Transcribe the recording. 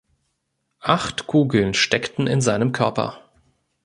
Acht Kugeln steckten in seinem Körper.